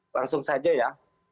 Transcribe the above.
langsung saja ya